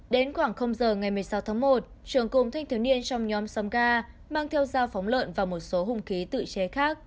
đến khoảng giờ ngày một mươi sáu tháng một trường cùng thanh thiếu niên trong nhóm xóm ga mang theo giao phóng lợn vào một số hung khí tự che khác